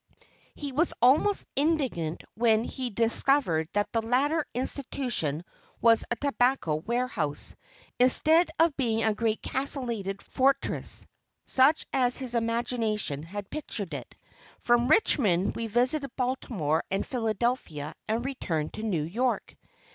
He was almost indignant when he discovered that the latter institution was a tobacco warehouse, instead of being a great castellated fortress, such as his imagination had pictured it. From Richmond we visited Baltimore and Philadelphia, and returned to New York.